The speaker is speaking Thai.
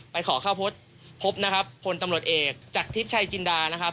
ขอเข้าพบพบนะครับพลตำรวจเอกจากทิพย์ชัยจินดานะครับ